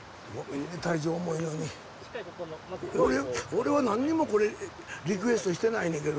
俺は何にもこれリクエストしてないねんけど。